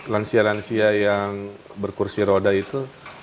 lansia lansia yang berkursi roda itu